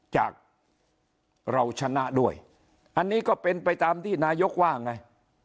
จากเราชนะด้วยอันนี้ก็เป็นไปตามที่นายกว่าไง